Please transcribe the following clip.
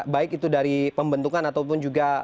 baik itu dari pembentukan ataupun juga